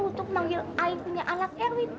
untuk memanggil ayah punya anak erwin